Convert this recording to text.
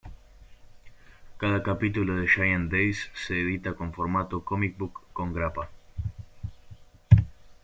Cada capítulo de Giant Days se edita en formato "comic book" con grapa.